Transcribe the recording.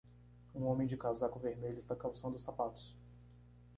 Um homem de casaco vermelho está calçando os sapatos.